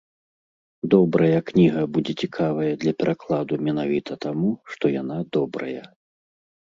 Добрая кніга будзе цікавая для перакладу менавіта таму, што яна добрая.